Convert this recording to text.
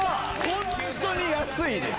ホントに安いです。